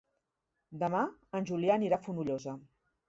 Demà en Julià anirà a Fonollosa.